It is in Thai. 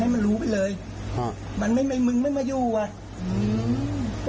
ให้มันรู้ไปเลยอ่ามันไม่มึงไม่มาอยู่อ่ะอืม